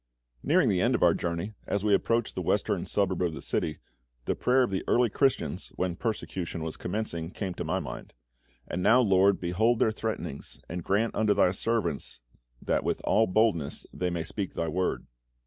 Nearing the end of our journey, as we approached the western suburb of the city, the prayer of the early Christians, when persecution was commencing, came to my mind: "And now, LORD, behold their threatenings, and grant unto Thy servants that with all boldness they may speak Thy Word."